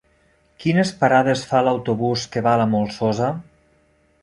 Quines parades fa l'autobús que va a la Molsosa?